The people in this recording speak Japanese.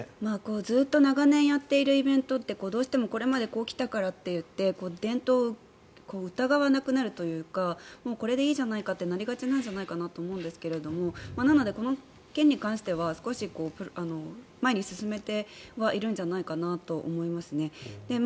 ずっと長年やっているイベントってこれまで、こう来たからといって伝統を疑わなくなるというかこれでいいじゃないかってなりがちではと思うんですがなので、この件に関しては少し前に進めてはいるんじゃないかなと思いますね。